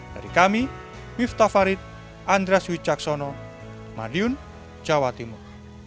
dari kami miftah farid andres wicaksono madiun jawa timur